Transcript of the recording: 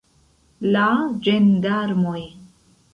La ĝendarmoj!